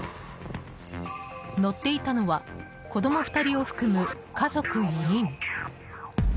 乗っていたのは子供２人を含む家族４人。